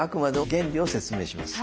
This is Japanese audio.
原理を説明します。